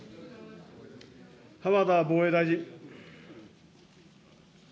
浜田防衛大臣。